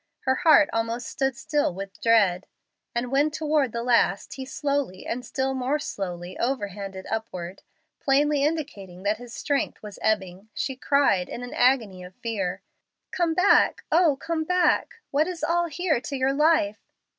Her heart almost stood still with dread; and when toward the last he slowly and still more slowly overhanded upward, plainly indicating that his strength was ebbing, she cried, in an agony of fear, "Come back, oh come back! What is all here to your life?"